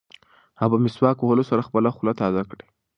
هغه په مسواک وهلو سره خپله خوله تازه کړه.